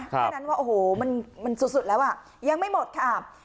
แค่นั้นว่าโอ้โหมันสุดแล้วอ่ะยังไม่หมดค่ะ